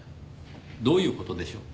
どういう事でしょう？